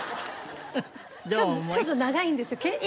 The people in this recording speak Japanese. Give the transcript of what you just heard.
ちょっと長いんですよ。